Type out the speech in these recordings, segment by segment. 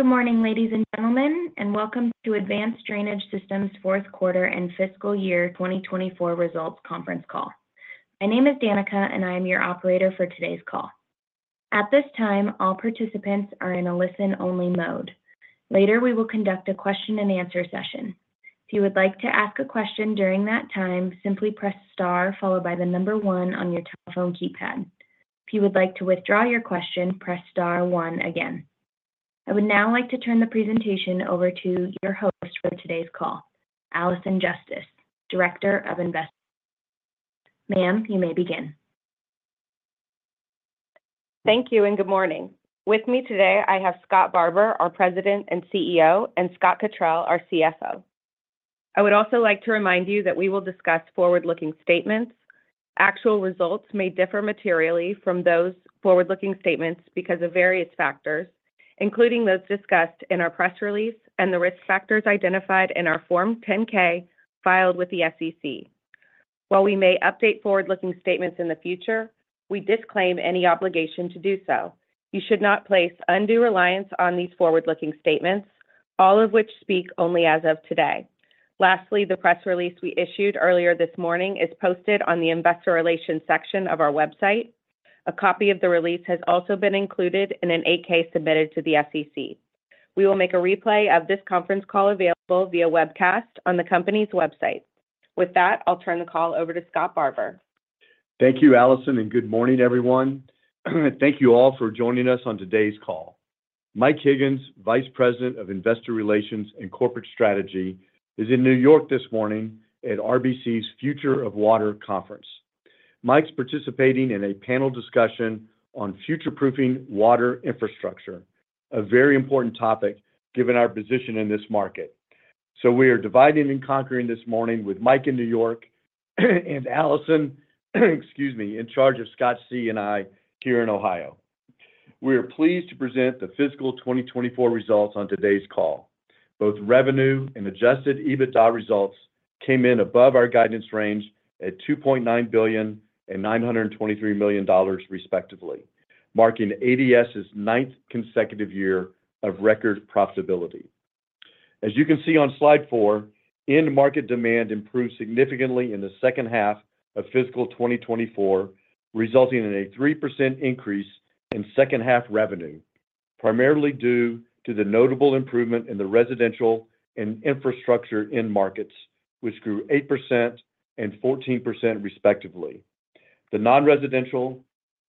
Good morning, ladies and gentlemen, and welcome to Advanced Drainage Systems' fourth quarter and fiscal year 2024 results conference call. My name is Danica, and I am your operator for today's call. At this time, all participants are in a listen-only mode. Later, we will conduct a question-and-answer session. If you would like to ask a question during that time, simply press star followed by the number one on your telephone keypad. If you would like to withdraw your question, press star one again. I would now like to turn the presentation over to your host for today's call, Allison Justice, Director of Investor Relations. Ma'am, you may begin. Thank you, and good morning. With me today, I have Scott Barbour, our President and CEO, and Scott Cottrill, our CFO. I would also like to remind you that we will discuss forward-looking statements. Actual results may differ materially from those forward-looking statements because of various factors, including those discussed in our press release and the risk factors identified in our Form 10-K filed with the SEC. While we may update forward-looking statements in the future, we disclaim any obligation to do so. You should not place undue reliance on these forward-looking statements, all of which speak only as of today. Lastly, the press release we issued earlier this morning is posted on the investor relations section of our website. A copy of the release has also been included in an 8-K submitted to the SEC. We will make a replay of this conference call available via webcast on the company's website. With that, I'll turn the call over to Scott Barbour. Thank you, Allison, and good morning, everyone. Thank you all for joining us on today's call. Mike Higgins, Vice President of Investor Relations and Corporate Strategy, is in New York this morning at RBC's Future of Water Conference. Mike's participating in a panel discussion on future-proofing water infrastructure, a very important topic, given our position in this market. So we are dividing and conquering this morning with Mike in New York, and Allison, excuse me, in charge of Scott C. and I here in Ohio. We are pleased to present the fiscal 2024 results on today's call. Both revenue and Adjusted EBITDA results came in above our guidance range at $2.9 billion and $923 million, respectively, marking ADS's ninth consecutive year of record profitability. As you can see on slide 4, end market demand improved significantly in the second half of fiscal 2024, resulting in a 3% increase in second half revenue, primarily due to the notable improvement in the residential and infrastructure end markets, which grew 8% and 14%, respectively. The non-residential,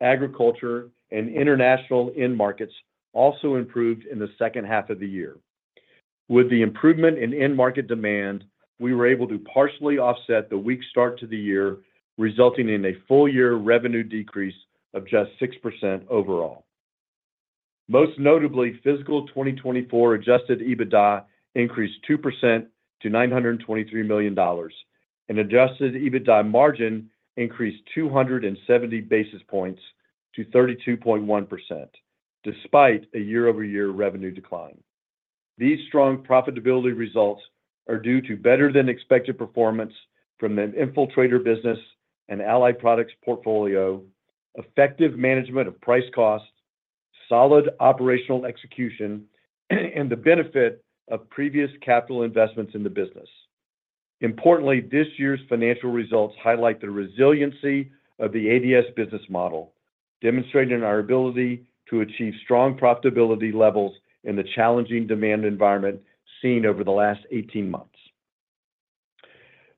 agriculture, and international end markets also improved in the second half of the year. With the improvement in end market demand, we were able to partially offset the weak start to the year, resulting in a full year revenue decrease of just 6% overall. Most notably, fiscal 2024 adjusted EBITDA increased 2% to $923 million, and adjusted EBITDA margin increased 270 basis points to 32.1%, despite a year-over-year revenue decline. These strong profitability results are due to better than expected performance from the Infiltrator business and Allied Products portfolio, effective management of price-cost, solid operational execution, and the benefit of previous capital investments in the business. Importantly, this year's financial results highlight the resiliency of the ADS business model, demonstrating our ability to achieve strong profitability levels in the challenging demand environment seen over the last 18 months.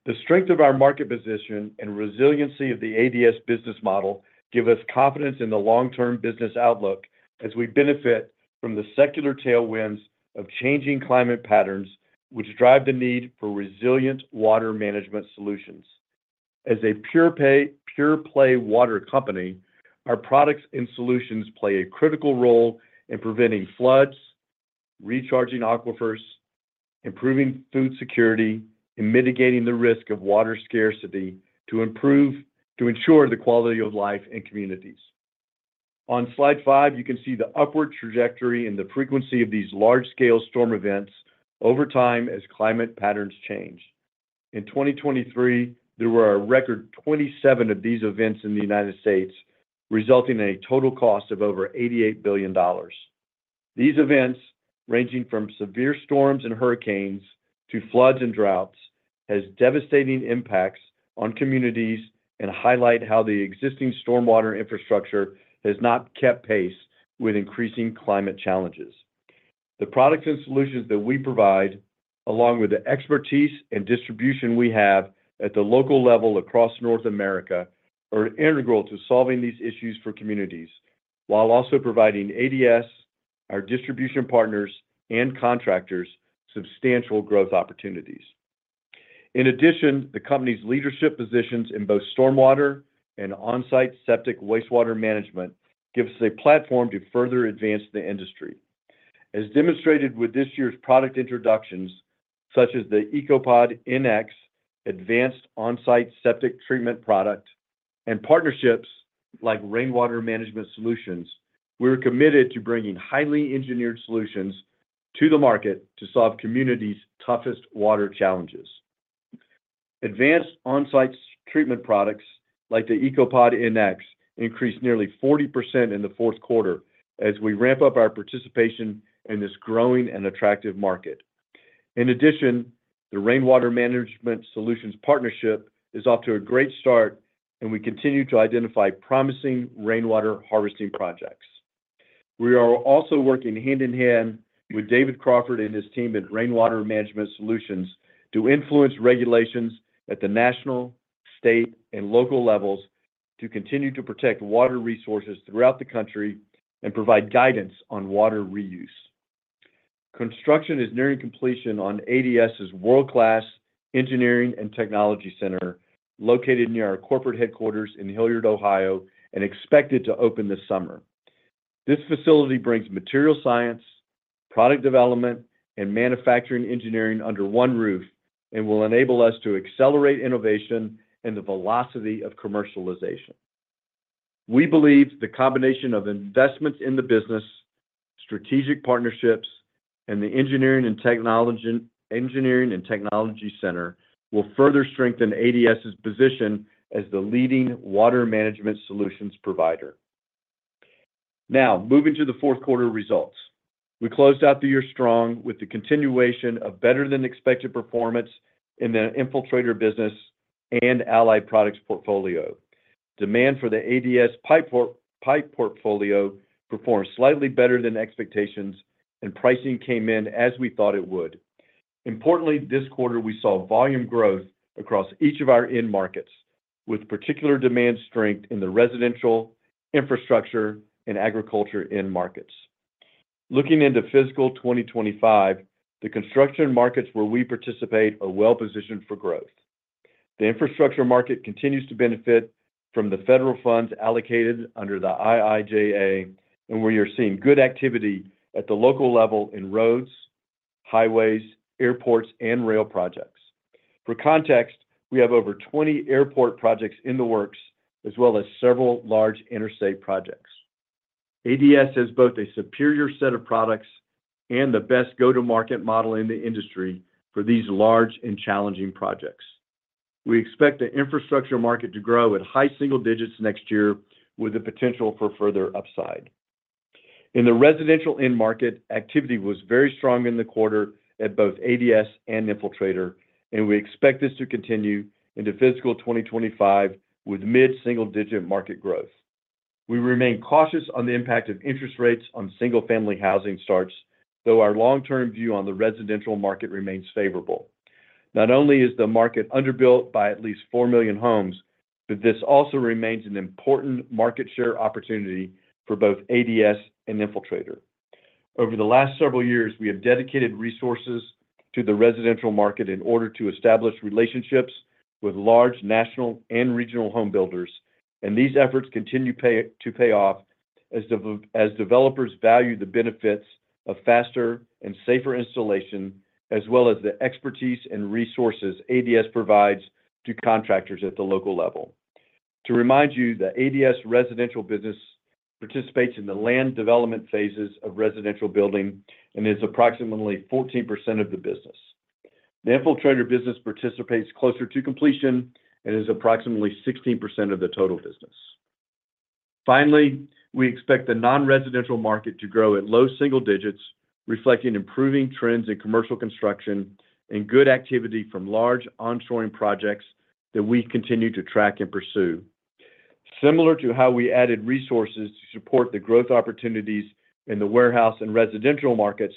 The strength of our market position and resiliency of the ADS business model give us confidence in the long-term business outlook as we benefit from the secular tailwinds of changing climate patterns, which drive the need for resilient water management solutions. As a pure-play water company, our products and solutions play a critical role in preventing floods, recharging aquifers, improving food security, and mitigating the risk of water scarcity to ensure the quality of life in communities. On slide five, you can see the upward trajectory and the frequency of these large-scale storm events over time as climate patterns change. In 2023, there were a record 27 of these events in the United States, resulting in a total cost of over $88 billion. These events, ranging from severe storms and hurricanes to floods and droughts, has devastating impacts on communities and highlight how the existing stormwater infrastructure has not kept pace with increasing climate challenges. The products and solutions that we provide, along with the expertise and distribution we have at the local level across North America, are integral to solving these issues for communities, while also providing ADS, our distribution partners, and contractors substantial growth opportunities. In addition, the company's leadership positions in both stormwater and on-site septic wastewater management gives us a platform to further advance the industry. As demonstrated with this year's product introductions, such as the EcoPod NX advanced on-site septic treatment product, and partnerships like Rainwater Management Solutions, we are committed to bringing highly engineered solutions to the market to solve communities' toughest water challenges. Advanced on-site treatment products like the EcoPod NX increased nearly 40% in the fourth quarter as we ramp up our participation in this growing and attractive market. In addition, the Rainwater Management Solutions partnership is off to a great start, and we continue to identify promising rainwater harvesting projects. We are also working hand in hand with David Crawford and his team at Rainwater Management Solutions to influence regulations at the national, state, and local levels to continue to protect water resources throughout the country and provide guidance on water reuse. Construction is nearing completion on ADS's world-class Engineering and Technology Center, located near our corporate headquarters in Hilliard, Ohio, and expected to open this summer. This facility brings material science, product development, and manufacturing engineering under one roof and will enable us to accelerate innovation and the velocity of commercialization. We believe the combination of investments in the business, strategic partnerships, and the Engineering and Technology Center will further strengthen ADS's position as the leading water management solutions provider. Now, moving to the fourth quarter results. We closed out the year strong with the continuation of better-than-expected performance in the Infiltrator business and Allied Products portfolio. Demand for the ADS pipe portfolio performed slightly better than expectations, and pricing came in as we thought it would. Importantly, this quarter, we saw volume growth across each of our end markets, with particular demand strength in the residential, infrastructure, and agriculture end markets. Looking into fiscal 2025, the construction markets where we participate are well positioned for growth. The infrastructure market continues to benefit from the federal funds allocated under the IIJA and we are seeing good activity at the local level in roads, highways, airports, and rail projects. For context, we have over 20 airport projects in the works, as well as several large interstate projects. ADS has both a superior set of products and the best go-to-market model in the industry for these large and challenging projects. We expect the infrastructure market to grow at high single digits next year, with the potential for further upside. In the residential end market, activity was very strong in the quarter at both ADS and Infiltrator, and we expect this to continue into fiscal 2025 with mid-single-digit market growth. We remain cautious on the impact of interest rates on single-family housing starts, though our long-term view on the residential market remains favorable. Not only is the market underbuilt by at least 4 million homes, but this also remains an important market share opportunity for both ADS and Infiltrator. Over the last several years, we have dedicated resources to the residential market in order to establish relationships with large national and regional home builders, and these efforts continue to pay off as developers value the benefits of faster and safer installation, as well as the expertise and resources ADS provides to contractors at the local level. To remind you, the ADS residential business participates in the land development phases of residential building and is approximately 14% of the business. The Infiltrator business participates closer to completion and is approximately 16% of the total business. Finally, we expect the non-residential market to grow at low single digits, reflecting improving trends in commercial construction and good activity from large onshoring projects that we continue to track and pursue. Similar to how we added resources to support the growth opportunities in the warehouse and residential markets,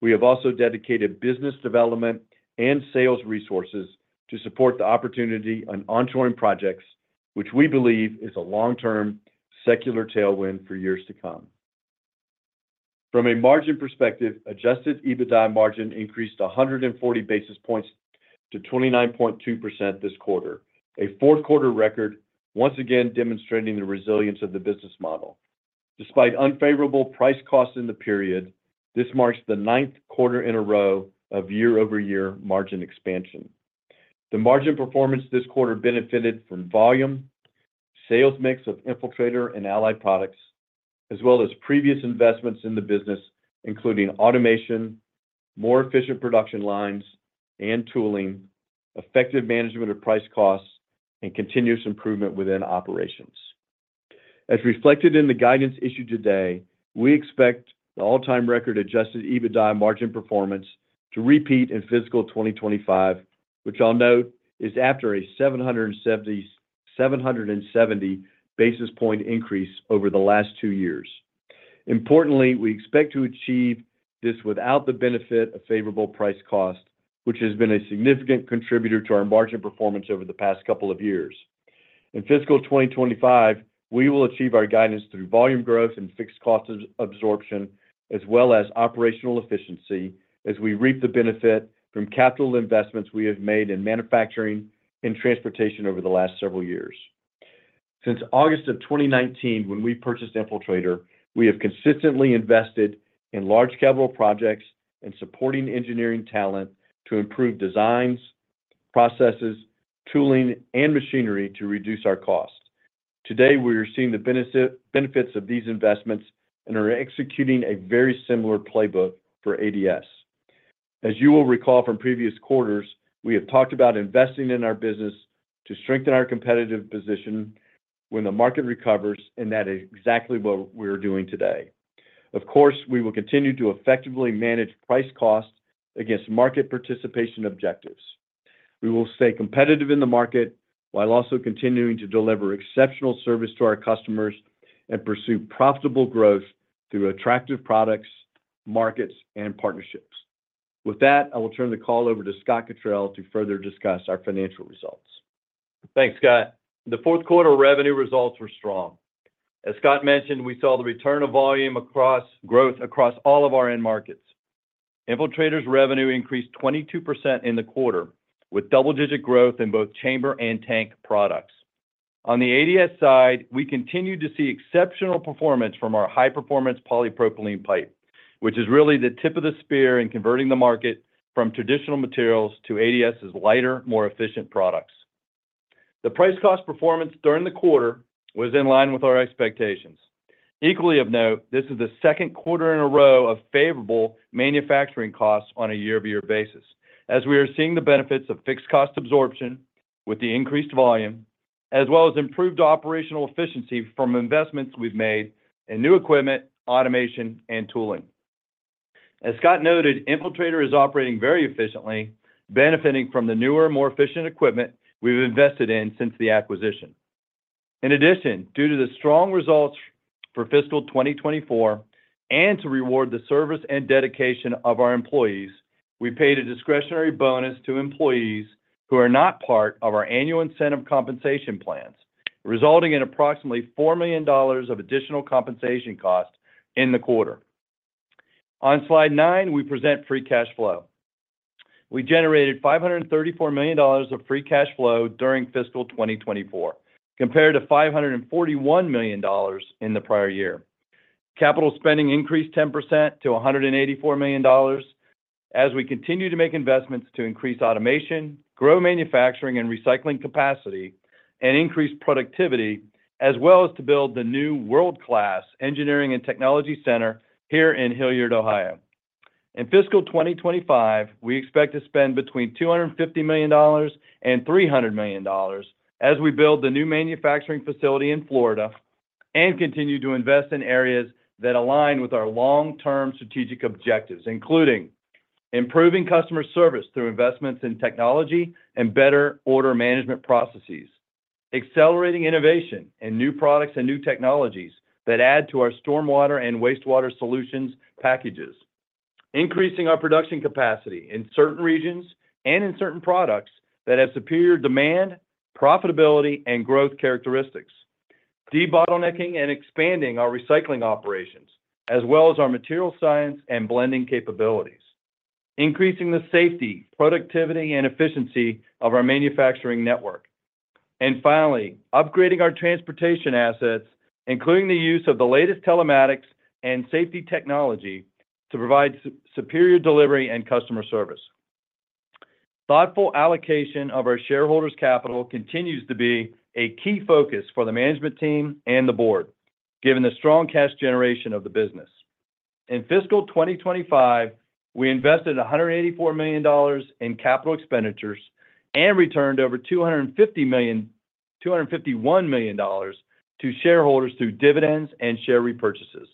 we have also dedicated business development and sales resources to support the opportunity on onshoring projects, which we believe is a long-term secular tailwind for years to come. From a margin perspective, Adjusted EBITDA margin increased 140 basis points to 29.2% this quarter, a fourth quarter record, once again demonstrating the resilience of the business model. Despite unfavorable price costs in the period, this marks the ninth quarter in a row of year-over-year margin expansion. The margin performance this quarter benefited from volume, sales mix of Infiltrator and Allied Products, as well as previous investments in the business, including automation, more efficient production lines and tooling, effective management of price costs, and continuous improvement within operations. As reflected in the guidance issued today, we expect the all-time record Adjusted EBITDA margin performance to repeat in fiscal 2025, which I'll note is after a 770, 770 basis point increase over the last two years. Importantly, we expect to achieve this without the benefit of favorable price cost, which has been a significant contributor to our margin performance over the past couple of years. In fiscal 2025, we will achieve our guidance through volume growth and fixed cost absorption, as well as operational efficiency, as we reap the benefit from capital investments we have made in manufacturing and transportation over the last several years. Since August of 2019, when we purchased Infiltrator, we have consistently invested in large capital projects and supporting engineering talent to improve designs, processes, tooling, and machinery to reduce our costs. Today, we are seeing the benefits of these investments and are executing a very similar playbook for ADS. As you will recall from previous quarters, we have talked about investing in our business to strengthen our competitive position when the market recovers, and that is exactly what we're doing today. Of course, we will continue to effectively manage Price Cost against market participation objectives. We will stay competitive in the market, while also continuing to deliver exceptional service to our customers and pursue profitable growth through attractive products, markets, and partnerships. With that, I will turn the call over to Scott Cottrill to further discuss our financial results. Thanks, Scott. The fourth quarter revenue results were strong. As Scott mentioned, we saw the return of volume growth across all of our end markets. Infiltrator's revenue increased 22% in the quarter, with double-digit growth in both chamber and tank products. On the ADS side, we continued to see exceptional performance from our high-performance polypropylene pipe, which is really the tip of the spear in converting the market from traditional materials to ADS's lighter, more efficient products. The price-cost performance during the quarter was in line with our expectations. Equally of note, this is the second quarter in a row of favorable manufacturing costs on a year-over-year basis, as we are seeing the benefits of fixed cost absorption with the increased volume, as well as improved operational efficiency from investments we've made in new equipment, automation, and tooling. As Scott noted, Infiltrator is operating very efficiently, benefiting from the newer, more efficient equipment we've invested in since the acquisition. In addition, due to the strong results for fiscal 2024, and to reward the service and dedication of our employees, we paid a discretionary bonus to employees who are not part of our annual incentive compensation plans, resulting in approximately $4 million of additional compensation cost in the quarter. On slide 9, we present free cash flow. We generated $534 million of free cash flow during fiscal 2024, compared to $541 million in the prior year. Capital spending increased 10% to $184 million as we continue to make investments to increase automation, grow manufacturing and recycling capacity, and increase productivity, as well as to build the new world-class engineering and technology center here in Hilliard, Ohio. In fiscal 2025, we expect to spend between $250 million and $300 million as we build the new manufacturing facility in Florida and continue to invest in areas that align with our long-term strategic objectives, including: improving customer service through investments in technology and better order management processes, accelerating innovation and new products and new technologies that add to our stormwater and wastewater solutions packages, increasing our production capacity in certain regions and in certain products that have superior demand, profitability, and growth characteristics, debottlenecking and expanding our recycling operations, as well as our material science and blending capabilities, increasing the safety, productivity, and efficiency of our manufacturing network. And finally, upgrading our transportation assets, including the use of the latest telematics and safety technology to provide superior delivery and customer service. Thoughtful allocation of our shareholders' capital continues to be a key focus for the management team and the board, given the strong cash generation of the business. In fiscal 2025, we invested $184 million in capital expenditures and returned over $250 million-$251 million to shareholders through dividends and share repurchases.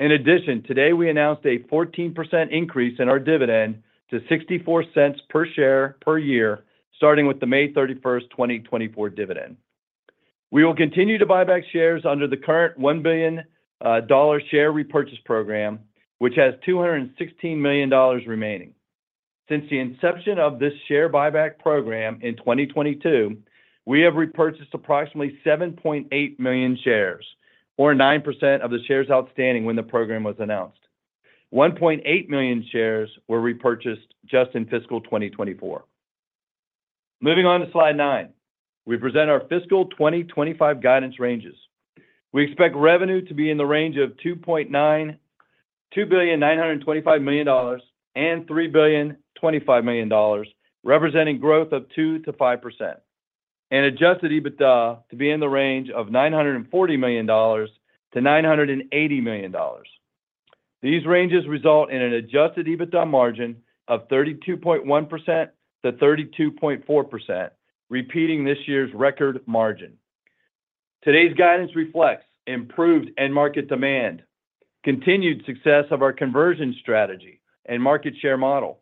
In addition, today, we announced a 14% increase in our dividend to $0.64 per share per year, starting with the May 31, 2024 dividend. We will continue to buy back shares under the current $1 billion dollar share repurchase program, which has $216 million remaining. Since the inception of this share buyback program in 2022, we have repurchased approximately 7.8 million shares, or 9% of the shares outstanding when the program was announced. 1.8 million shares were repurchased just in fiscal 2024. Moving on to slide 9, we present our fiscal 2025 guidance ranges. We expect revenue to be in the range of $2.925 billion-$3.025 billion, representing growth of 2%-5%, and Adjusted EBITDA to be in the range of $940 million-$980 million. These ranges result in an Adjusted EBITDA margin of 32.1%-32.4%, repeating this year's record margin. Today's guidance reflects improved end market demand, continued success of our conversion strategy and market share model,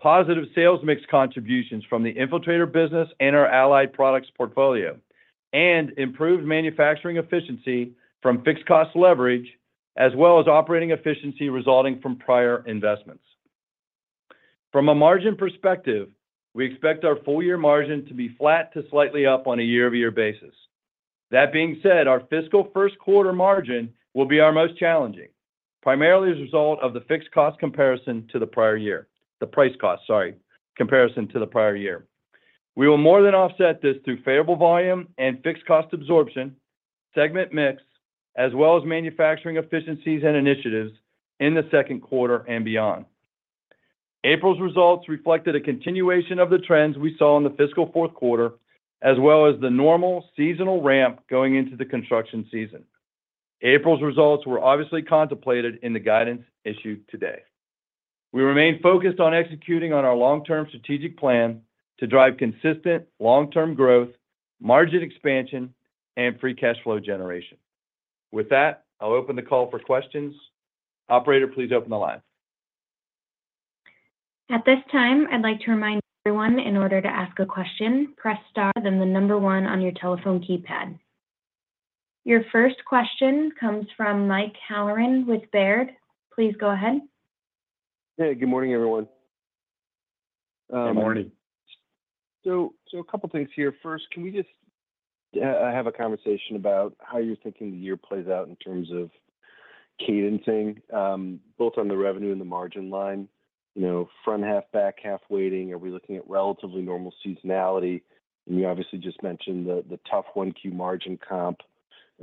positive sales mix contributions from the Infiltrator business and our allied products portfolio, and improved manufacturing efficiency from fixed cost leverage, as well as operating efficiency resulting from prior investments. From a margin perspective, we expect our full year margin to be flat to slightly up on a year-over-year basis. That being said, our fiscal first quarter margin will be our most challenging, primarily as a result of the fixed cost comparison to the prior year, the price cost, sorry, comparison to the prior year. We will more than offset this through favorable volume and fixed cost absorption, segment mix, as well as manufacturing efficiencies and initiatives in the second quarter and beyond.... April's results reflected a continuation of the trends we saw in the fiscal fourth quarter, as well as the normal seasonal ramp going into the construction season. April's results were obviously contemplated in the guidance issued today. We remain focused on executing on our long-term strategic plan to drive consistent long-term growth, margin expansion, and free cash flow generation. With that, I'll open the call for questions. Operator, please open the line. At this time, I'd like to remind everyone, in order to ask a question, press Star, then the number one on your telephone keypad. Your first question comes from Mike Halloran with Baird. Please go ahead. Hey, good morning, everyone. Good morning. So, a couple things here. First, can we just have a conversation about how you're thinking the year plays out in terms of cadencing, both on the revenue and the margin line? You know, front half, back half weighting, are we looking at relatively normal seasonality? And you obviously just mentioned the tough 1Q margin comp.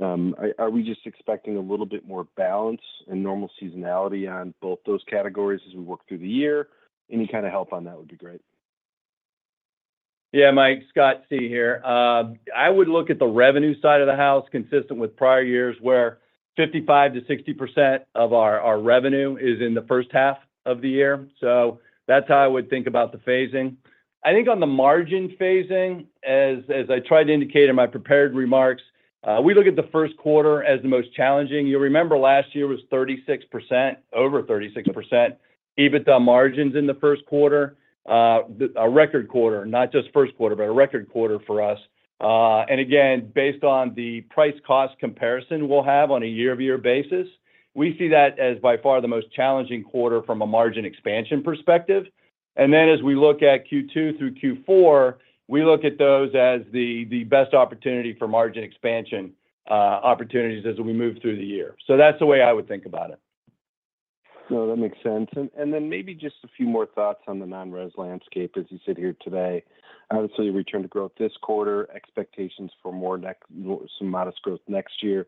Are we just expecting a little bit more balance and normal seasonality on both those categories as we work through the year? Any kind of help on that would be great. Yeah, Mike, Scott C. here. I would look at the revenue side of the house, consistent with prior years, where 55%-60% of our revenue is in the first half of the year. So that's how I would think about the phasing. I think on the margin phasing, as I tried to indicate in my prepared remarks, we look at the first quarter as the most challenging. You'll remember last year was 36%, over 36% EBITDA margins in the first quarter, a record quarter, not just first quarter, but a record quarter for us. And again, based on the price-cost comparison we'll have on a year-over-year basis, we see that as by far the most challenging quarter from a margin expansion perspective. And then, as we look at Q2 through Q4, we look at those as the best opportunity for margin expansion, opportunities as we move through the year. So that's the way I would think about it. No, that makes sense. And, and then maybe just a few more thoughts on the non-res landscape as you sit here today. Obviously, a return to growth this quarter, expectations for more, some modest growth next year.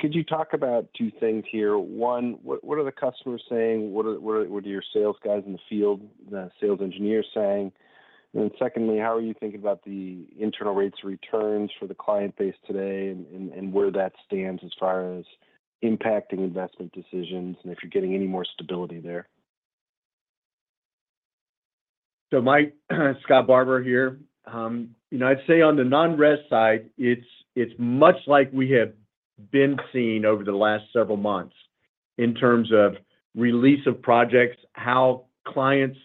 Could you talk about two things here? One, what, what are the customers saying? What are, what are, what are your sales guys in the field, the sales engineers saying? And then secondly, how are you thinking about the internal rates of returns for the client base today and, and, and where that stands as far as impacting investment decisions, and if you're getting any more stability there? So Mike, Scott Barbour here. You know, I'd say on the non-res side, it's, it's much like we have been seeing over the last several months in terms of release of projects, how clients,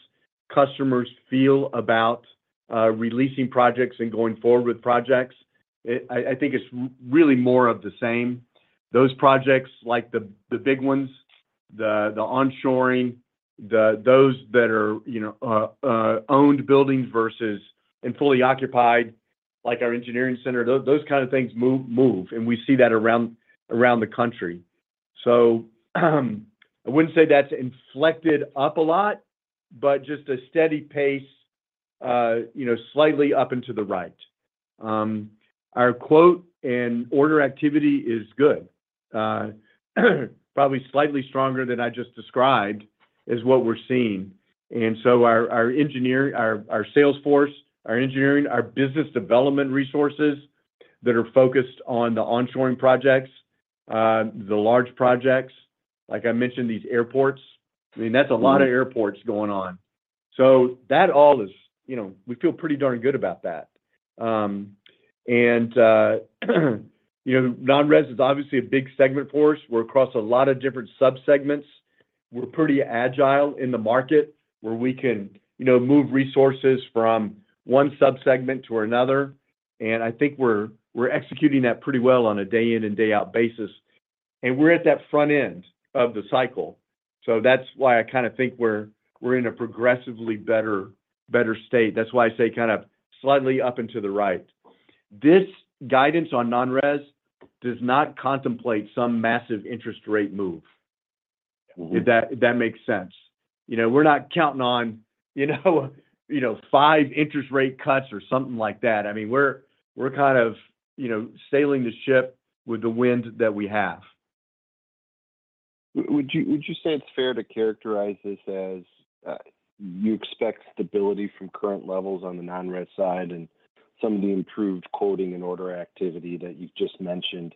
customers feel about, releasing projects and going forward with projects. I think it's really more of the same. Those projects, like the big ones, the onshoring, those that are, you know, owned buildings versus and fully occupied, like our engineering center, those kind of things move, and we see that around the country. So, I wouldn't say that's inflected up a lot, but just a steady pace, you know, slightly up and to the right. Our quote and order activity is good. Probably slightly stronger than I just described, is what we're seeing. And so our engineers, our sales force, our engineering, our business development resources that are focused on the onshoring projects, the large projects, like I mentioned, these airports, I mean, that's a lot of airports going on. So that all is... You know, we feel pretty darn good about that. And, you know, non-res is obviously a big segment for us. We're across a lot of different subsegments. We're pretty agile in the market, where we can, you know, move resources from one subsegment to another, and I think we're executing that pretty well on a day in and day out basis. And we're at that front end of the cycle, so that's why I kind of think we're in a progressively better state. That's why I say kind of slightly up and to the right. This guidance on non-res does not contemplate some massive interest rate move-... if that, if that makes sense. You know, we're not counting on, you know, you know, five interest rate cuts or something like that. I mean, we're, we're kind of, you know, sailing the ship with the wind that we have. Would you say it's fair to characterize this as you expect stability from current levels on the non-res side and some of the improved quoting and order activity that you've just mentioned?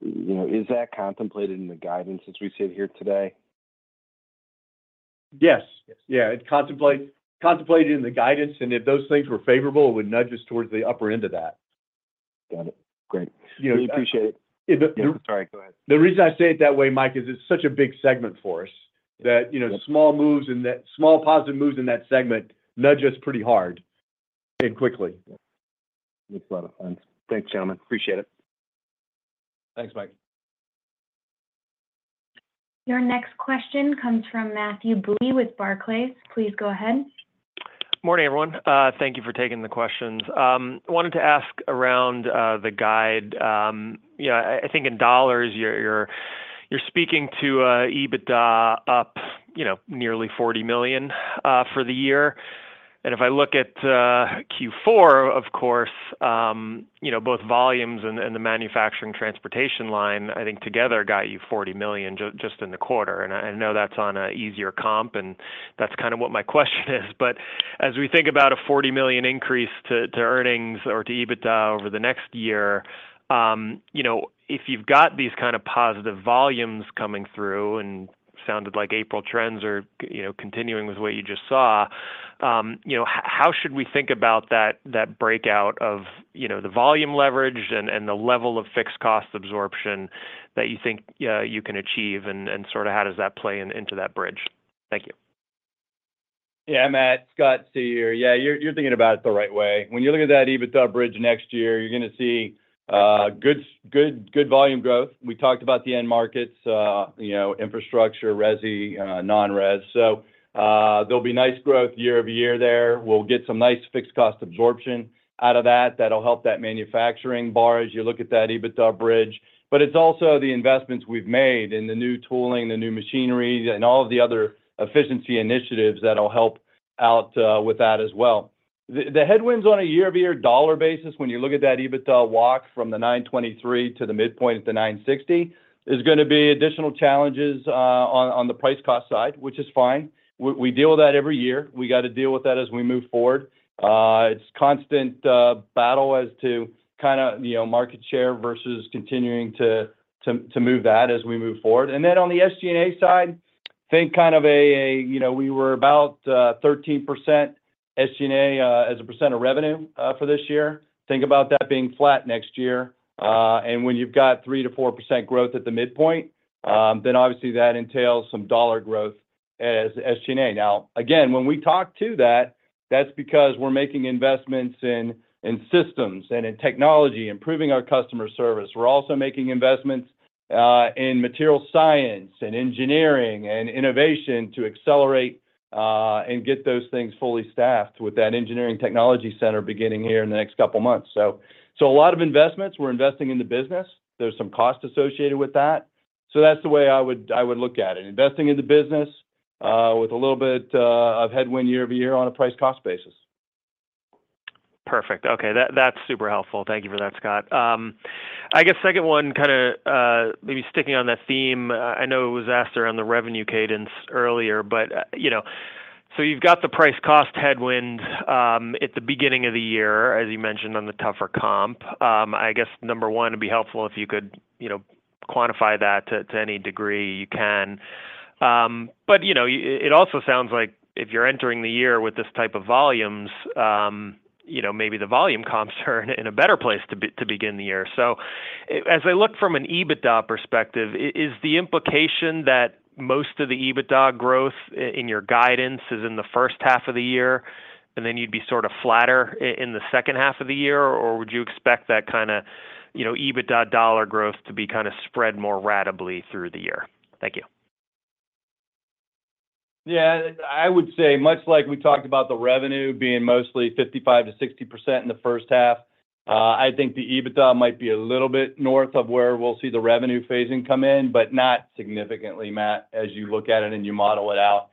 You know, is that contemplated in the guidance as we sit here today? Yes. Yes. Yeah, it contemplated in the guidance, and if those things were favorable, it would nudge us towards the upper end of that. Got it. Great. You know- We appreciate it. If the r- Sorry, go ahead. The reason I say it that way, Mike, is it's such a big segment for us, that, you know- Yep... Small moves in that, small positive moves in that segment, nudge us pretty hard and quickly. Makes a lot of sense. Thanks, gentlemen. Appreciate it. Thanks, Mike. Your next question comes from Matthew Bouley with Barclays. Please go ahead. Morning, everyone. Thank you for taking the questions. I wanted to ask around the guide, you know, I think in dollars, you're speaking to EBITDA up, you know, nearly $40 million for the year. And if I look at Q4, of course, you know, both volumes and the manufacturing transportation line, I think together got you $40 million just in the quarter. And I know that's on a easier comp, and that's kind of what my question is. But as we think about a $40 million increase to earnings or to EBITDA over the next year, you know, if you've got these kind of positive volumes coming through, and sounded like April trends are, you know, continuing with what you just saw, you know, how should we think about that breakout of, you know, the volume leverage and the level of fixed cost absorption that you think you can achieve? And sort of how does that play into that bridge? Thank you. Yeah, Matt, Scott C. here. Yeah, you're thinking about it the right way. When you look at that EBITDA bridge next year, you're gonna see good, good, good volume growth. We talked about the end markets, you know, infrastructure, resi, non-res. So there'll be nice growth year-over-year there. We'll get some nice fixed cost absorption out of that. That'll help that manufacturing bar as you look at that EBITDA bridge. But it's also the investments we've made in the new tooling, the new machinery, and all of the other efficiency initiatives that'll help out with that as well. The headwinds on a year-over-year dollar basis, when you look at that EBITDA walk from the $923 to the midpoint at the $960, is gonna be additional challenges on the Price Cost side, which is fine. We, we deal with that every year. We gotta deal with that as we move forward. It's constant battle as to kinda, you know, market share versus continuing to move that as we move forward. And then on the SG&A side, think kind of a you know, we were about 13% SG&A as a percent of revenue for this year. Think about that being flat next year. And when you've got 3%-4% growth at the midpoint, then obviously that entails some dollar growth as SG&A. Now, again, when we talk to that, that's because we're making investments in systems and in technology, improving our customer service. We're also making investments in material science, and engineering, and innovation to accelerate and get those things fully staffed with that engineering technology center beginning here in the next couple months. So, a lot of investments. We're investing in the business. There's some cost associated with that, so that's the way I would look at it. Investing in the business, with a little bit of headwind year-over-year on a price-cost basis. Perfect. Okay, that's super helpful. Thank you for that, Scott. I guess second one, kinda, maybe sticking on that theme. I know it was asked around the revenue cadence earlier, but, you know. So you've got the price cost headwind at the beginning of the year, as you mentioned, on the tougher comp. I guess, number one, it'd be helpful if you could, you know, quantify that to any degree you can. But, you know, it also sounds like if you're entering the year with this type of volumes, you know, maybe the volume comps are in a better place to begin the year. So as I look from an EBITDA perspective, is the implication that most of the EBITDA growth in your guidance is in the first half of the year, and then you'd be sort of flatter in the second half of the year? Or would you expect that kind of, you know, EBITDA dollar growth to be kind of spread more ratably through the year? Thank you. Yeah. I would say much like we talked about the revenue being mostly 55%-60% in the first half. I think the EBITDA might be a little bit north of where we'll see the revenue phasing come in, but not significantly, Matt, as you look at it and you model it out.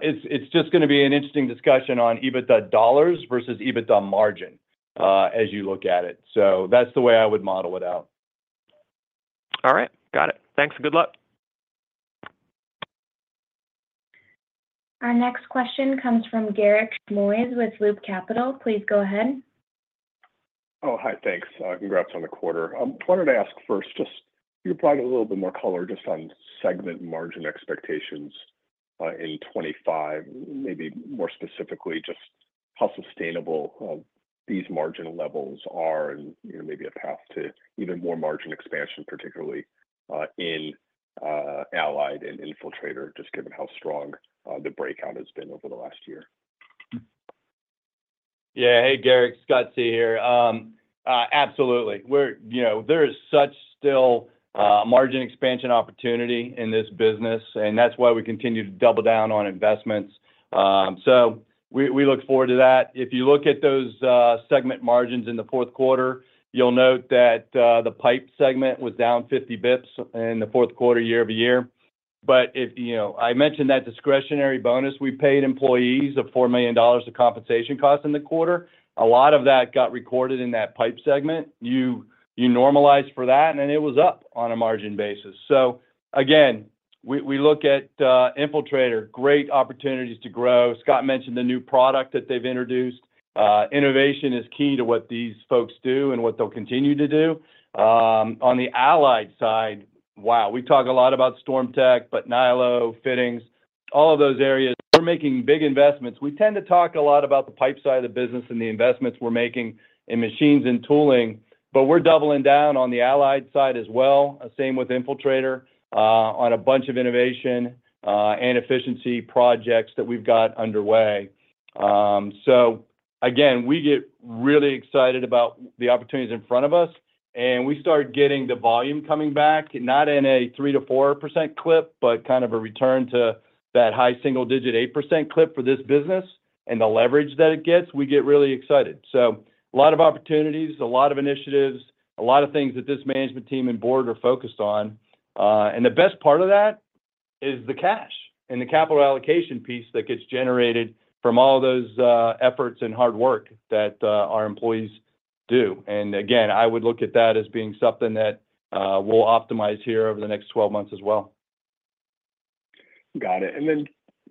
It's just gonna be an interesting discussion on EBITDA dollars versus EBITDA margin as you look at it, so that's the way I would model it out. All right. Got it. Thanks, and good luck. Our next question comes from Garik Shmois with Loop Capital. Please go ahead. Oh, hi. Thanks. Congrats on the quarter. Wanted to ask first, just can you provide a little bit more color just on segment margin expectations in 2025? Maybe more specifically, just how sustainable these margin levels are and, you know, maybe a path to even more margin expansion, particularly in Allied and Infiltrator, just given how strong the breakout has been over the last year. Yeah. Hey, Garrick. Scott C. here. Absolutely. We're... You know, there is still such margin expansion opportunity in this business, and that's why we continue to double down on investments. So we look forward to that. If you look at those segment margins in the fourth quarter, you'll note that the pipe segment was down 50 basis points in the fourth quarter year-over-year. But if, you know, I mentioned that discretionary bonus we paid employees of $4 million of compensation costs in the quarter, a lot of that got recorded in that pipe segment. You normalize for that, and it was up on a margin basis. So again, we look at Infiltrator, great opportunities to grow. Scott mentioned the new product that they've introduced. Innovation is key to what these folks do and what they'll continue to do. On the Allied side, wow, we talk a lot about StormTech, but Nyloplast, fittings, all of those areas, we're making big investments. We tend to talk a lot about the pipe side of the business and the investments we're making in machines and tooling, but we're doubling down on the Allied side as well, same with Infiltrator, on a bunch of innovation and efficiency projects that we've got underway. So again, we get really excited about the opportunities in front of us, and we start getting the volume coming back, not in a 3%-4% clip, but kind of a return to that high single-digit 8% clip for this business and the leverage that it gets, we get really excited. So a lot of opportunities, a lot of initiatives, a lot of things that this management team and board are focused on. And the best part of that?... Is the cash and the capital allocation piece that gets generated from all those, efforts and hard work that, our employees do. And again, I would look at that as being something that, we'll optimize here over the next twelve months as well. Got it. And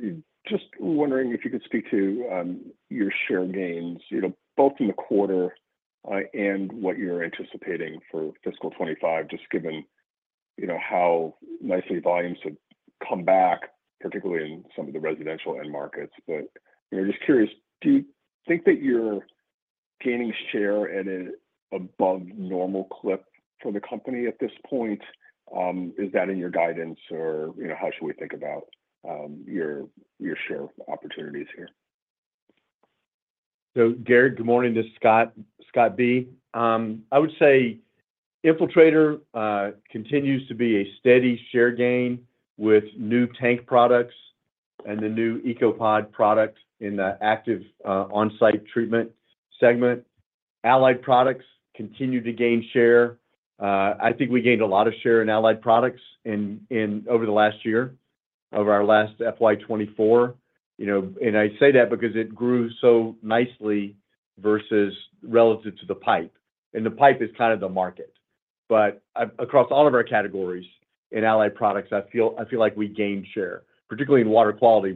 then just wondering if you could speak to your share gains, you know, both in the quarter and what you're anticipating for fiscal '25, just given, you know, how nicely volumes have come back, particularly in some of the residential end markets. But I'm just curious, do you think that you're gaining share at an above normal clip for the company at this point? Is that in your guidance or, you know, how should we think about your share opportunities here? So, Garrick, good morning. This is Scott, Scott B. I would say Infiltrator continues to be a steady share gain with new tank products and the new EcoPod product in the active on-site treatment segment. Allied products continue to gain share. I think we gained a lot of share in allied products in over the last year, over our last FY 2024. You know, and I say that because it grew so nicely versus relative to the pipe, and the pipe is kind of the market. But across all of our categories in allied products, I feel, I feel like we gained share, particularly in water quality,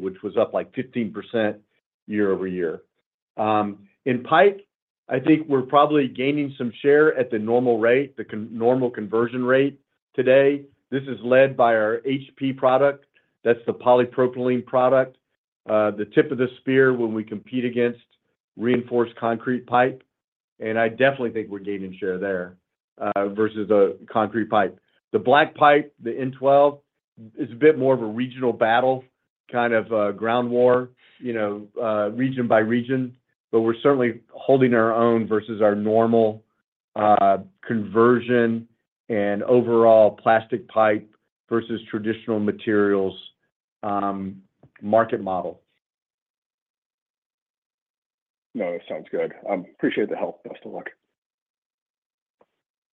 which was up, like, 15% year-over-year. In pipe, I think we're probably gaining some share at the normal rate, the normal conversion rate today. This is led by our HP product. That's the polypropylene product, the tip of the spear when we compete against reinforced concrete pipe. And I definitely think we're gaining share there, versus the concrete pipe. The black pipe, the N-12, is a bit more of a regional battle, kind of, ground war, you know, region by region, but we're certainly holding our own versus our normal, conversion and overall plastic pipe versus traditional materials, market model. No, it sounds good. Appreciate the help. Best of luck.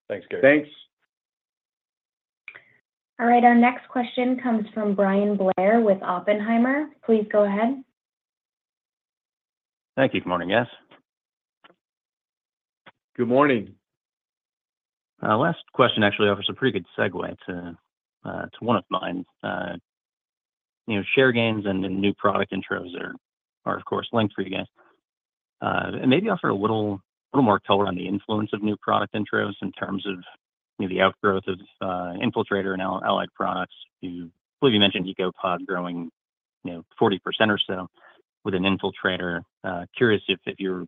Thanks, Garrick. Thanks. All right, our next question comes from Bryan Blair with Oppenheimer. Please go ahead. Thank you. Good morning, guys. Good morning. Last question actually offers a pretty good segue to one of mine. You know, share gains and new product intros are, of course, linked for you guys. And maybe offer a little more color on the influence of new product intros in terms of, you know, the outgrowth of Infiltrator and allied products. You believe you mentioned EcoPod growing, you know, 40% or so with an Infiltrator. Curious if you're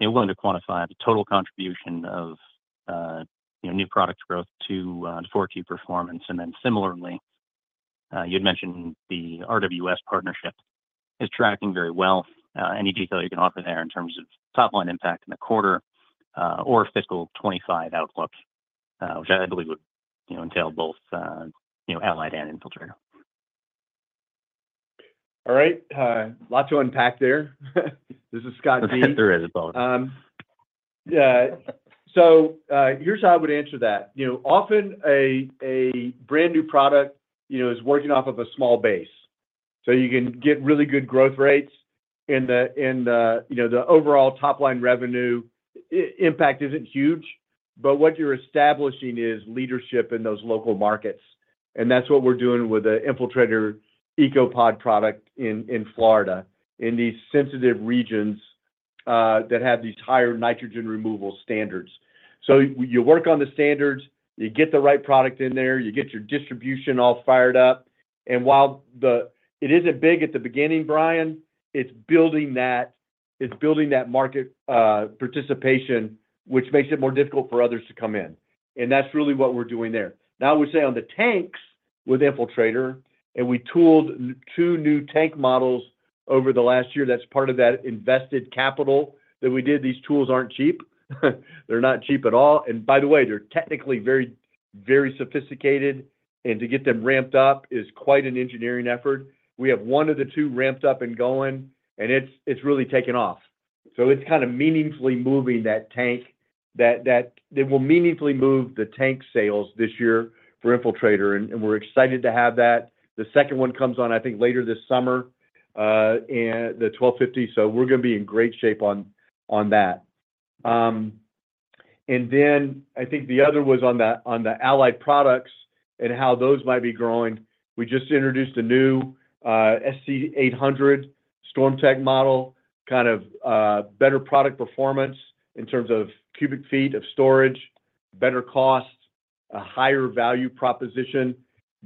willing to quantify the total contribution of, you know, new product growth to fourth quarter performance. And then similarly, you'd mentioned the RWS partnership is tracking very well. Any detail you can offer there in terms of top line impact in the quarter, or fiscal 2025 outlook? Which I believe would, you know, entail both, you know, Allied and Infiltrator. All right. A lot to unpack there. This is Scott B. There is a lot. Yeah. So, here's how I would answer that. You know, often a brand-new product, you know, is working off of a small base, so you can get really good growth rates. And, you know, the overall top line revenue impact isn't huge, but what you're establishing is leadership in those local markets, and that's what we're doing with the Infiltrator EcoPod product in Florida, in these sensitive regions that have these higher nitrogen removal standards. So you work on the standards, you get the right product in there, you get your distribution all fired up. And while it isn't big at the beginning, Brian, it's building that, it's building that market participation, which makes it more difficult for others to come in. And that's really what we're doing there. Now, I would say on the tanks with Infiltrator, and we tooled 2 new tank models over the last year, that's part of that invested capital that we did. These tools aren't cheap. They're not cheap at all. And by the way, they're technically very, very sophisticated, and to get them ramped up is quite an engineering effort. We have one of the 2 ramped up and going, and it's really taken off. So it's kind of meaningfully moving that tank. It will meaningfully move the tank sales this year for Infiltrator, and we're excited to have that. The second one comes on, I think, later this summer, and the 1250, so we're gonna be in great shape on that. And then I think the other was on the allied products and how those might be growing. We just introduced a new SC-800 StormTech model, kind of, better product performance in terms of cubic feet of storage, better cost, a higher value proposition.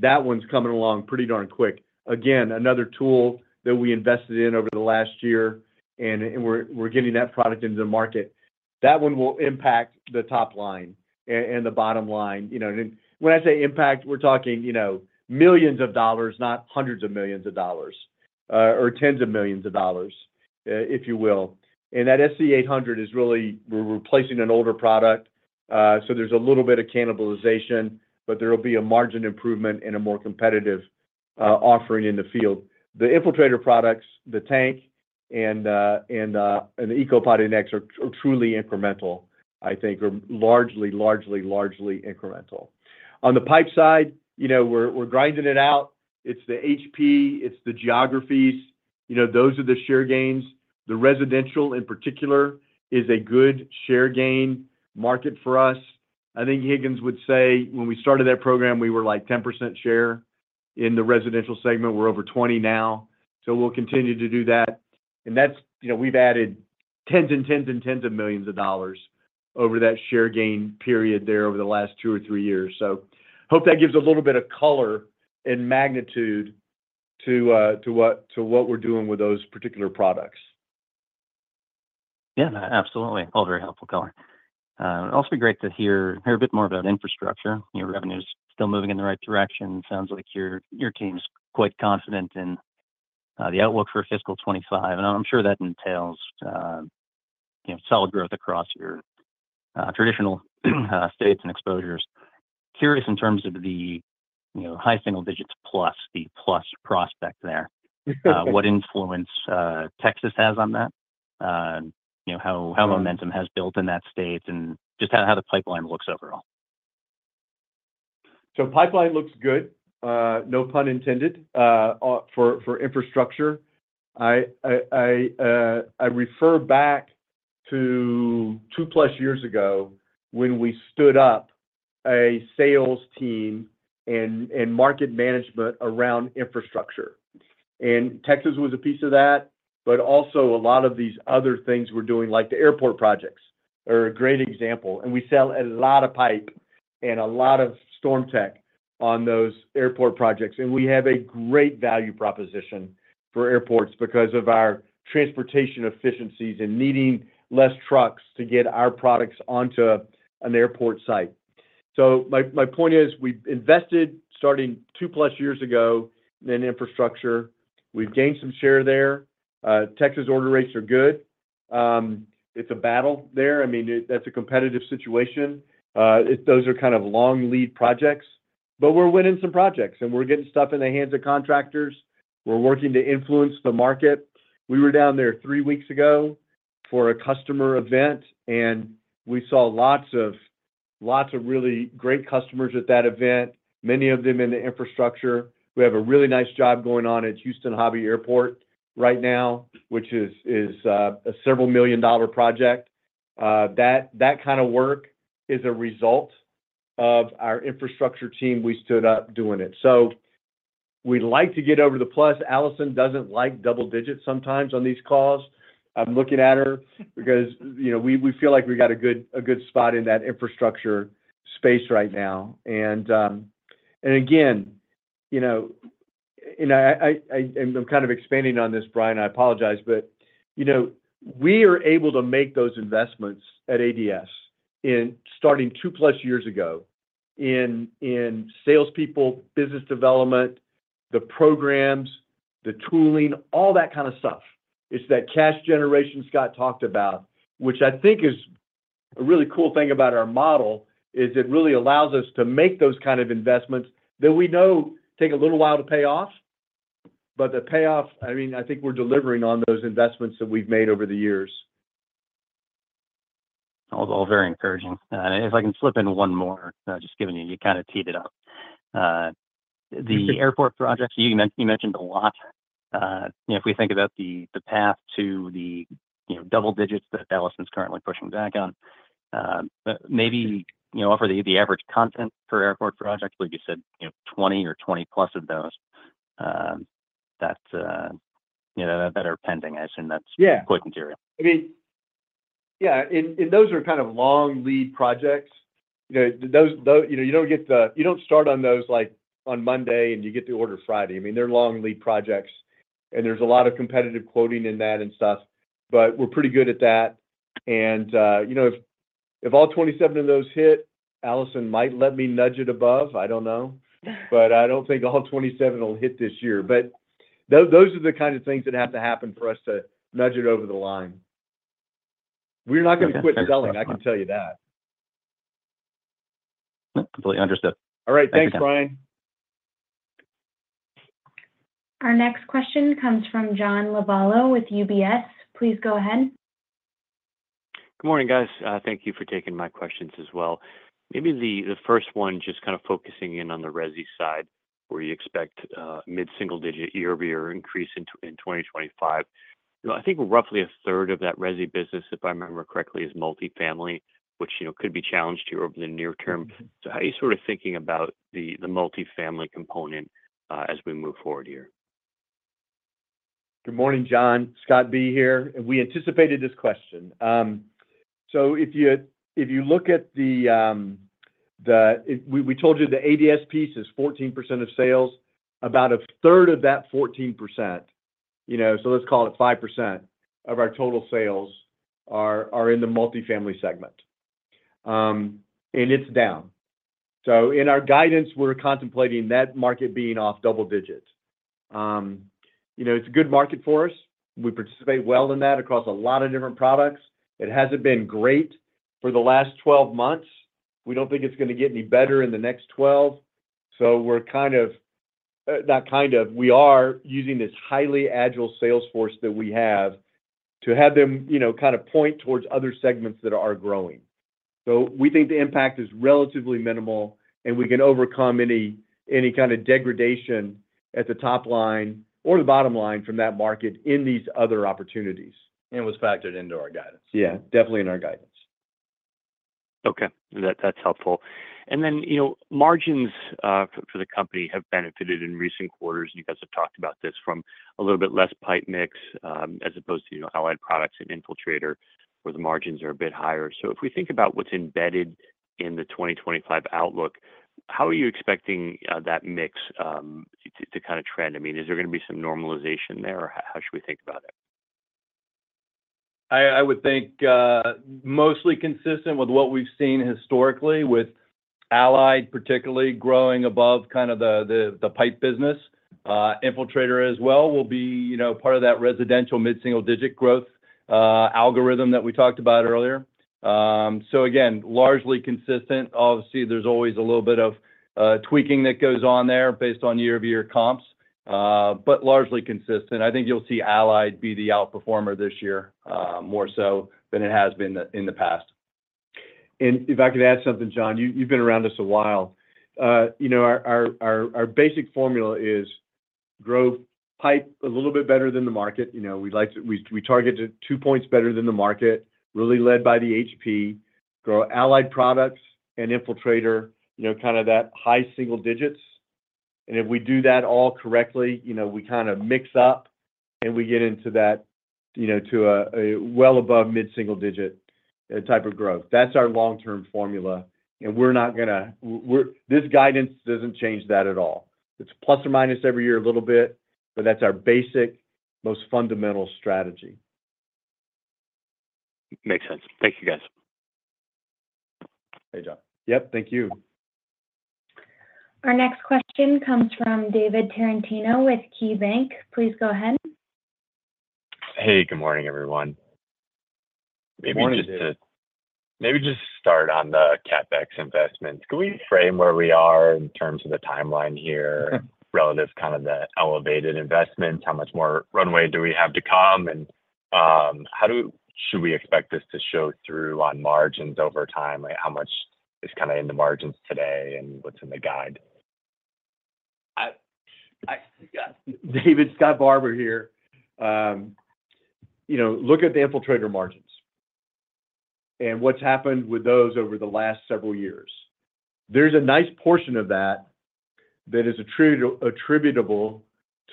That one's coming along pretty darn quick. Again, another tool that we invested in over the last year, and we're getting that product into the market. That one will impact the top line and the bottom line. You know, and when I say impact, we're talking, you know, $ millions of dollars, not hundreds of $ millions of dollars, or tens of $ millions of dollars, if you will. And that SC-800 is really... We're replacing an older product, so there's a little bit of cannibalization, but there will be a margin improvement and a more competitive offering in the field. The Infiltrator products, the tank, and the EcoPod NX are truly incremental, I think are largely incremental. On the pipe side, you know, we're grinding it out. It's the HP, it's the geographies. You know, those are the share gains. The residential, in particular, is a good share gain market for us. I think Higgins would say when we started that program, we were, like, 10% share in the residential segment. We're over 20 now, so we'll continue to do that. And that's, you know, we've added tens and tens and tens of millions of dollars over that share gain period there over the last two or three years. So hope that gives a little bit of color and magnitude to what we're doing with those particular products. Yeah, absolutely. All very helpful color. Also great to hear a bit more about infrastructure. Your revenue's still moving in the right direction. Sounds like your team's quite confident in the outlook for fiscal 25, and I'm sure that entails you know, solid growth across your traditional states and exposures. Curious, in terms of the you know, high single digits+, the plus prospect there—what influence Texas has on that? You know, how momentum has built in that state, and just how the pipeline looks overall. So pipeline looks good, no pun intended, for infrastructure. I refer back to 2+ years ago when we stood up a sales team and market management around infrastructure. And Texas was a piece of that, but also a lot of these other things we're doing, like the airport projects are a great example, and we sell a lot of pipe and a lot of StormTech on those airport projects. And we have a great value proposition for airports because of our transportation efficiencies and needing less trucks to get our products onto an airport site. So my point is, we've invested, starting 2+ years ago, in infrastructure. We've gained some share there. Texas order rates are good. It's a battle there. I mean, that's a competitive situation. Those are kind of long lead projects, but we're winning some projects, and we're getting stuff in the hands of contractors. We're working to influence the market. We were down there three weeks ago for a customer event, and we saw lots of really great customers at that event, many of them in the infrastructure. We have a really nice job going on at Houston Hobby Airport right now, which is a $ several million project. That kind of work is a result of our infrastructure team we stood up doing it. So we'd like to get over the plus. Allison doesn't like double digits sometimes on these calls. I'm looking at her because, you know, we feel like we got a good spot in that infrastructure space right now. And again, you know, and I'm kind of expanding on this, Brian, I apologize, but, you know, we are able to make those investments at ADS in starting 2+ years ago in salespeople, business development, the programs, the tooling, all that kind of stuff. It's that cash generation Scott talked about, which I think is a really cool thing about our model, is it really allows us to make those kind of investments that we know take a little while to pay off. But the payoff, I mean, I think we're delivering on those investments that we've made over the years. All very encouraging. If I can slip in one more, just giving you, you kind of teed it up. The airport projects, you mentioned a lot. You know, if we think about the path to the, you know, double digits that Allison's currently pushing back on, but maybe, you know, offer the average content per airport project. I believe you said, you know, 20 or 20-plus of those, that, you know, that are pending. I assume that's- Yeah Quote material. I mean, yeah, and those are kind of long lead projects. You know, those, you know, you don't start on those, like, on Monday, and you get the order Friday. I mean, they're long lead projects, and there's a lot of competitive quoting in that and stuff, but we're pretty good at that. And, you know, if all 27 of those hit, Allison might let me nudge it above, I don't know. But I don't think all 27 will hit this year. But those are the kind of things that have to happen for us to nudge it over the line. We're not gonna quit selling- Yeah... I can tell you that. Completely understood. All right. Thanks. Thanks, Bryan. Our next question comes from John Lovallo with UBS. Please go ahead. Good morning, guys. Thank you for taking my questions as well. Maybe the first one just kind of focusing in on the resi side, where you expect mid-single digit year-over-year increase in 2025. You know, I think roughly a third of that resi business, if I remember correctly, is multifamily, which, you know, could be challenged here over the near term. So how are you sort of thinking about the multifamily component as we move forward here? Good morning, John. Scott B here, and we anticipated this question. So if you look at the... We told you the ADS piece is 14% of sales. About a third of that 14%, you know, so let's call it 5% of our total sales, are in the multifamily segment, and it's down. So in our guidance, we're contemplating that market being off double digits. You know, it's a good market for us. We participate well in that across a lot of different products. It hasn't been great for the last 12 months. We don't think it's gonna get any better in the next 12, so we're kind of, not kind of, we are using this highly agile sales force that we have to have them, you know, kind of point towards other segments that are growing. So we think the impact is relatively minimal, and we can overcome any kind of degradation at the top line or the bottom line from that market in these other opportunities. Was factored into our guidance. Yeah, definitely in our guidance. Okay, that, that's helpful. And then, you know, margins for the company have benefited in recent quarters. You guys have talked about this from a little bit less pipe mix as opposed to, you know, allied products and Infiltrator, where the margins are a bit higher. So if we think about what's embedded in the 2025 outlook, how are you expecting that mix to kind of trend? I mean, is there gonna be some normalization there, or how should we think about it? I would think mostly consistent with what we've seen historically with Allied, particularly growing above kind of the pipe business. Infiltrator as well will be, you know, part of that residential mid-single-digit growth algorithm that we talked about earlier. So again, largely consistent. Obviously, there's always a little bit of tweaking that goes on there based on year-over-year comps, but largely consistent. I think you'll see Allied be the outperformer this year, more so than it has been in the past. And if I could add something, John, you've been around us a while. You know, our basic formula is grow pipe a little bit better than the market. You know, we like to target two points better than the market, really led by the HP, grow allied products and Infiltrator, you know, kind of that high single digits. And if we do that all correctly, you know, we kind of mix up, and we get into that, you know, to a well above mid-single digit type of growth. That's our long-term formula, and we're not gonna. We're this guidance doesn't change that at all. It's plus or minus every year a little bit, but that's our basic, most fundamental strategy. Makes sense. Thank you, guys. Hey, John. Yep, thank you. Our next question comes from David Tarantino with Key Bank. Please go ahead. Hey, good morning, everyone. Good morning, David. Maybe just start on the CapEx investments. Can we frame where we are in terms of the timeline here relative to kind of the elevated investments? How much more runway do we have to come, and how should we expect this to show through on margins over time? Like, how much is kind of in the margins today, and what's in the guide? I, David, Scott Barbour here. You know, look at the Infiltrator margins and what's happened with those over the last several years. There's a nice portion of that that is attributable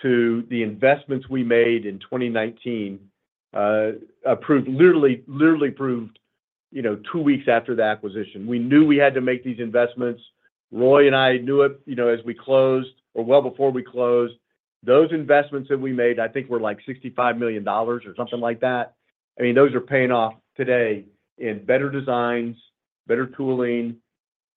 to the investments we made in 2019, literally approved, you know, 2 weeks after the acquisition. We knew we had to make these investments. Roy and I knew it, you know, as we closed or well before we closed. Those investments that we made, I think, were, like, $65 million or something like that. I mean, those are paying off today in better designs, better tooling,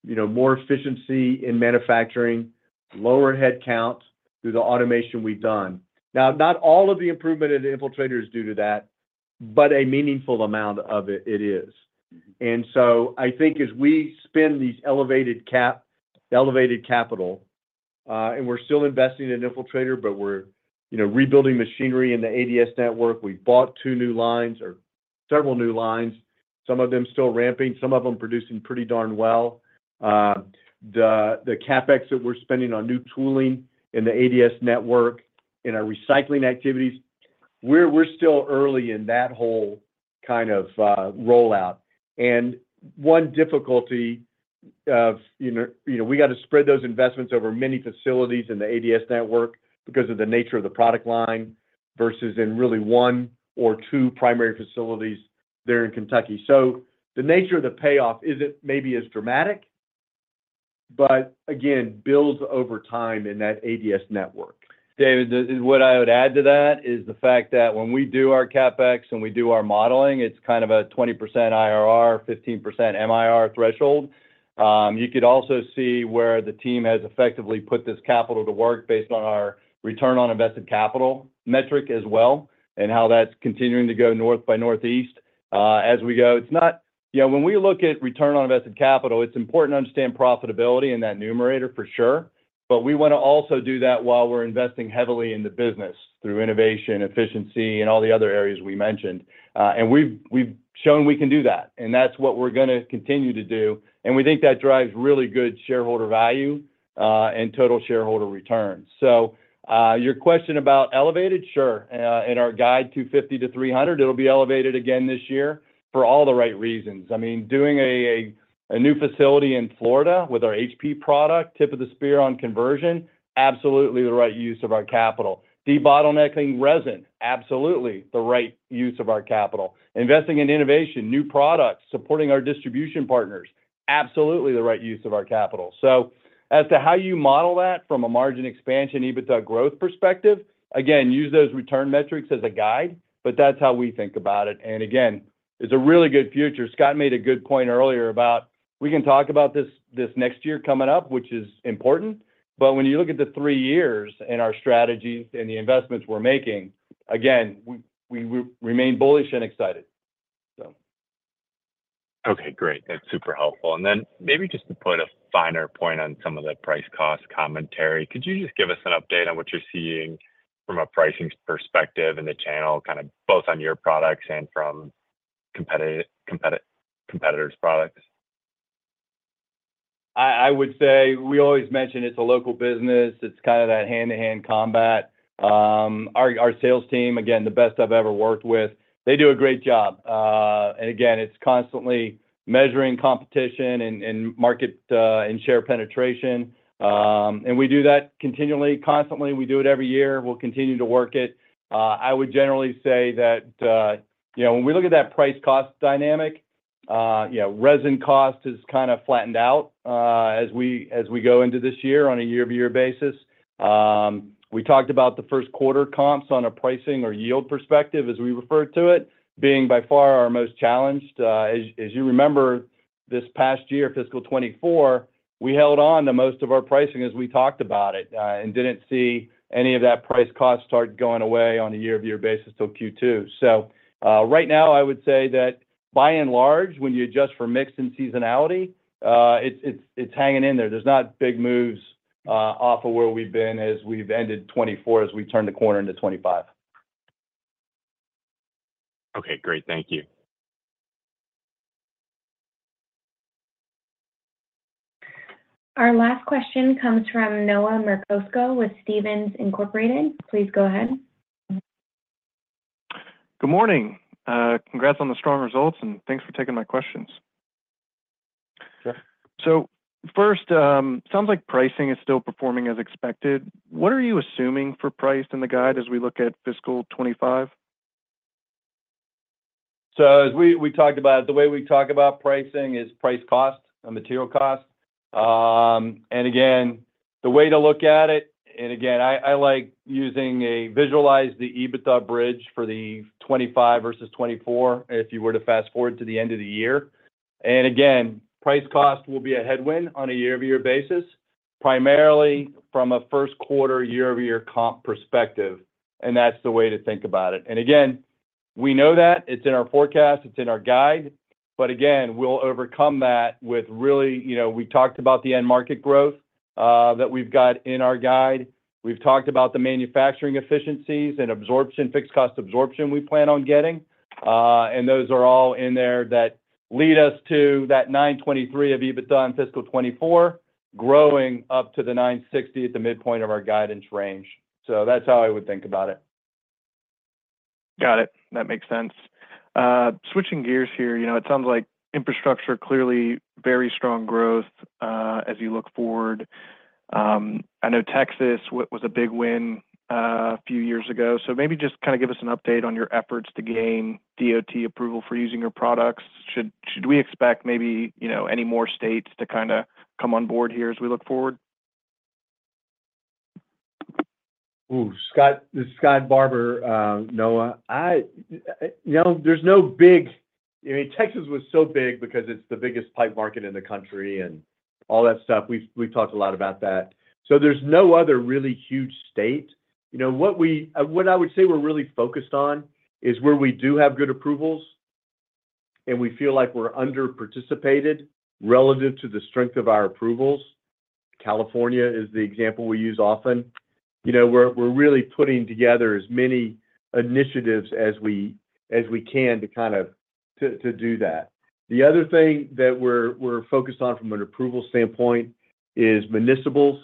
you know, more efficiency in manufacturing, lower head count through the automation we've done. Now, not all of the improvement in the Infiltrator is due to that, but a meaningful amount of it, it is. And so I think as we spend these elevated capital, and we're still investing in Infiltrator, but we're, you know, rebuilding machinery in the ADS network. We've bought two new lines or several new lines, some of them still ramping, some of them producing pretty darn well. The CapEx that we're spending on new tooling in the ADS network, in our recycling activities, we're still early in that whole kind of rollout. One difficulty of, you know, we got to spread those investments over many facilities in the ADS network because of the nature of the product line versus in really one or two primary facilities there in Kentucky. So the nature of the payoff isn't maybe as dramatic, but again, builds over time in that ADS network. David, what I would add to that is the fact that when we do our CapEx, when we do our modeling, it's kind of a 20% IRR, 15% MIR threshold. You could also see where the team has effectively put this capital to work based on our return on invested capital metric as well, and how that's continuing to go north by northeast. As we go, it's not, you know, when we look at return on invested capital, it's important to understand profitability in that numerator for sure, but we wanna also do that while we're investing heavily in the business through innovation, efficiency, and all the other areas we mentioned. And we've, we've shown we can do that, and that's what we're gonna continue to do. And we think that drives really good shareholder value, and total shareholder returns. So, your question about elevated, sure, in our guide to 450–500, it'll be elevated again this year for all the right reasons. I mean, doing a new facility in Florida with our HP product, tip of the spear on conversion, absolutely the right use of our capital. Debottlenecking resin, absolutely the right use of our capital. Investing in innovation, new products, supporting our distribution partners, absolutely the right use of our capital. So as to how you model that from a margin expansion, EBITDA growth perspective-... Again, use those return metrics as a guide, but that's how we think about it. And again, it's a really good future. Scott made a good point earlier about we can talk about this next year coming up, which is important, but when you look at the three years and our strategies and the investments we're making, again, we remain bullish and excited, so. Okay, great. That's super helpful. And then maybe just to put a finer point on some of the Price Cost commentary, could you just give us an update on what you're seeing from a pricing perspective in the channel, kind of both on your products and from competitive competitors' products? I would say we always mention it's a local business. It's kind of that hand-to-hand combat. Our sales team, again, the best I've ever worked with, they do a great job. And again, it's constantly measuring competition and market and share penetration. And we do that continually, constantly. We do it every year. We'll continue to work it. I would generally say that, you know, when we look at that Price Cost dynamic, yeah, resin cost has kind of flattened out, as we go into this year on a year-over-year basis. We talked about the first quarter comps on a pricing or yield perspective, as we refer to it, being by far our most challenged. As you remember, this past year, fiscal 2024, we held on to most of our pricing as we talked about it, and didn't see any of that price cost start going away on a year-over-year basis till Q2. So, right now, I would say that by and large, when you adjust for mix and seasonality, it's hanging in there. There's not big moves, off of where we've been as we've ended 2024, as we turn the corner into 2025. Okay, great. Thank you. Our last question comes from Noah Merkosky with Stephens Inc. Please go ahead. Good morning. Congrats on the strong results, and thanks for taking my questions. Sure. First, sounds like pricing is still performing as expected. What are you assuming for price in the guide as we look at fiscal 2025? So as we talked about, the way we talk about pricing is price cost and material cost. And again, the way to look at it, and again, I like using a visualize the EBITDA bridge for the 2025 versus 2024, if you were to fast-forward to the end of the year. And again, price cost will be a headwind on a year-over-year basis, primarily from a first quarter year-over-year comp perspective, and that's the way to think about it. And again, we know that, it's in our forecast, it's in our guide, but again, we'll overcome that with really... You know, we talked about the end market growth, that we've got in our guide. We've talked about the manufacturing efficiencies and absorption, fixed cost absorption we plan on getting, and those are all in there that lead us to that $923 of EBITDA in fiscal 2024, growing up to the $960 at the midpoint of our guidance range. So that's how I would think about it. Got it. That makes sense. Switching gears here, you know, it sounds like infrastructure, clearly very strong growth, as you look forward. I know Texas was a big win a few years ago, so maybe just kind of give us an update on your efforts to gain DOT approval for using your products. Should we expect maybe, you know, any more states to kind of come on board here as we look forward? Ooh, Scott. This is Scott Barbour. Noah, I, you know, there's no big... I mean, Texas was so big because it's the biggest pipe market in the country and all that stuff. We've, we've talked a lot about that. So there's no other really huge state. You know, what I would say we're really focused on is where we do have good approvals, and we feel like we're under-participated relative to the strength of our approvals. California is the example we use often. You know, we're, we're really putting together as many initiatives as we, as we can to kind of-- to, to do that. The other thing that we're, we're focused on from an approval standpoint is municipals,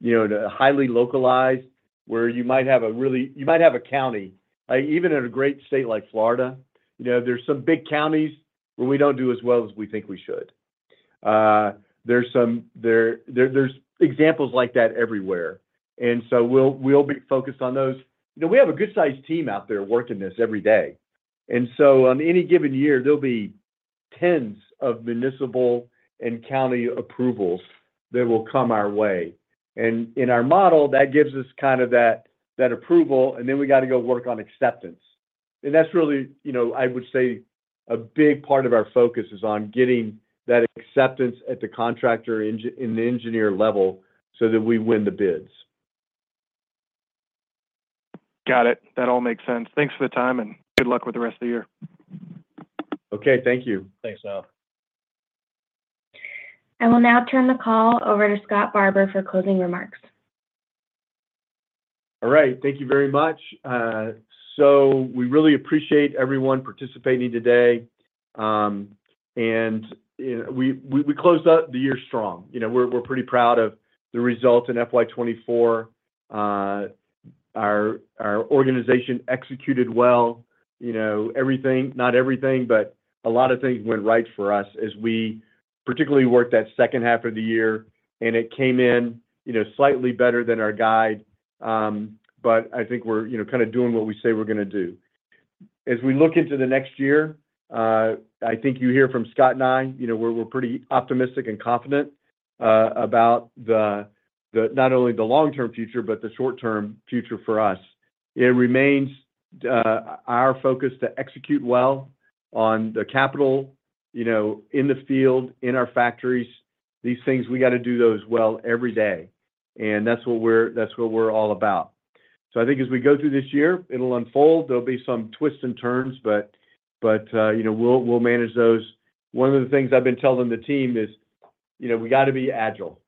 you know, highly localized, where you might have a county. Even in a great state like Florida, you know, there's some big counties where we don't do as well as we think we should. There's examples like that everywhere, and so we'll be focused on those. You know, we have a good-sized team out there working this every day, and so on any given year, there'll be tens of municipal and county approvals that will come our way. And in our model, that gives us kind of that approval, and then we got to go work on acceptance. And that's really, you know, I would say a big part of our focus is on getting that acceptance at the contractor and engineer level so that we win the bids. Got it. That all makes sense. Thanks for the time, and good luck with the rest of the year. Okay, thank you. Thanks, Noah. I will now turn the call over to Scott Barbour for closing remarks. All right. Thank you very much. So we really appreciate everyone participating today. You know, we closed out the year strong. You know, we're pretty proud of the results in FY 2024. Our organization executed well. You know, everything, not everything, but a lot of things went right for us as we particularly worked that second half of the year, and it came in, you know, slightly better than our guide. I think we're, you know, kind of doing what we say we're going to do. As we look into the next year, I think you hear from Scott and I, you know, we're pretty optimistic and confident about the not only the long-term future, but the short-term future for us. It remains our focus to execute well on the capital, you know, in the field, in our factories. These things, we got to do those well every day, and that's what we're- that's what we're all about. So I think as we go through this year, it'll unfold. There'll be some twists and turns, but, you know, we'll manage those. One of the things I've been telling the team is, you know, we got to be agile.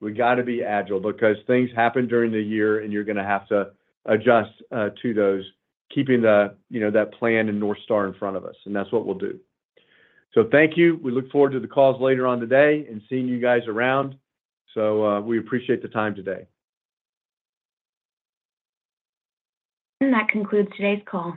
We got to be agile because things happen during the year, and you're going to have to adjust to those, keeping the, you know, that plan and North Star in front of us, and that's what we'll do. So thank you. We look forward to the calls later on today and seeing you guys around. So, we appreciate the time today. That concludes today's call.